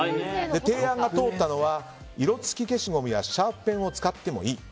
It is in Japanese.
提案が通ったのは色付き消しゴムやシャーペンを使ってもいい。